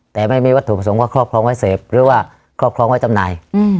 แต่ไม่มีวัตถุประสงค์ว่าครอบครองไว้เสพหรือว่าครอบครองไว้จำหน่าย